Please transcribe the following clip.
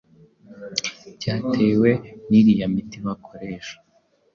Byatewe ni iriya miti bakoresha